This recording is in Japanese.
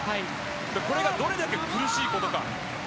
それが、どれだけ苦しいことか。